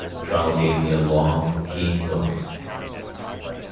Trunnell gave me a long, keen look.